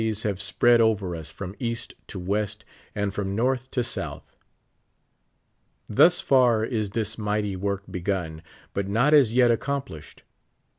X have spread over us from East to West and from Nort^ to South. Thus far is this mighty work begun, but not as yet accomplished.